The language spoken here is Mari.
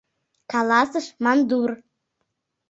— каласыш мандур.